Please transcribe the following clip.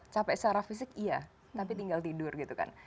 capek secara fisik iya tapi tinggal tidur gitu kan